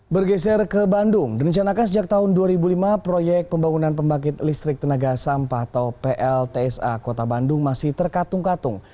bergeser ke bandung direncanakan sejak tahun dua ribu lima proyek pembangunan pembangkit listrik tenaga sampah atau pltsa kota bandung masih terkatung katung